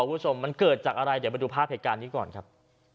คุณผู้ชมมันเกิดจากอะไรเดี๋ยวไปดูภาพเหตุการณ์นี้ก่อนครับ